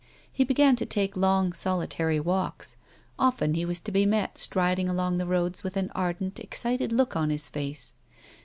He began to take long solitary walks ; often he was to be met striding along the roads with an ardent, excited look on his 182 A WOMAN'S LIFE. face.